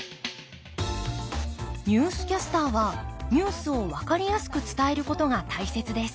ニュースキャスターはニュースを分かりやすく伝えることが大切です。